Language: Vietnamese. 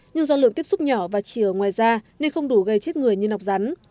nhưng do lượng tiếp xúc nhỏ và chỉ ở ngoài da nên không đủ gây chết người như nọc rắn